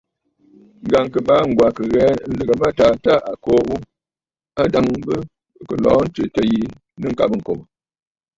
Ŋ̀gàŋkɨbàa Ŋgwa kɨ ghə̀ə lɨ̀gə mâtaa tâ à kwo ghu, a ajàŋə bɨ kɨ̀ lɔ̀ɔ̂ ǹtswètə̂ yi nɨ̂ ŋ̀kabə̀ ŋ̀kòbə̀.